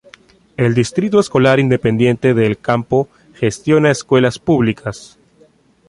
El Distrito Escolar Independiente de El Campo gestiona escuelas públicas.